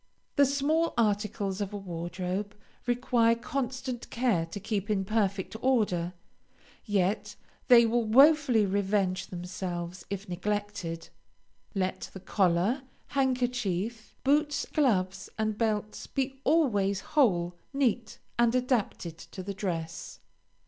The small articles of a wardrobe require constant care to keep in perfect order, yet they will wofully revenge themselves if neglected. Let the collar, handkerchief, boots, gloves, and belts be always whole, neat, and adapted to the dress.